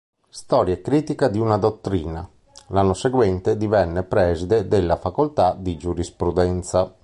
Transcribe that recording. Storia e critica di una dottrina"; l'anno seguente divenne preside della Facoltà di Giurisprudenza.